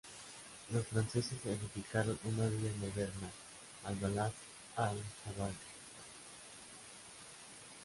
Los franceses edificaron una villa moderna "al-Balad al-Djadida" en la cumbre del cerro.